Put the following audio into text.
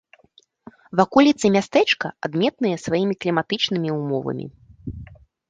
Ваколіцы мястэчка адметныя сваімі кліматычнымі ўмовамі.